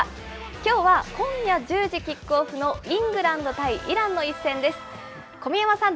きょうは今夜１０時キックオフのイングランド対イランの一戦です。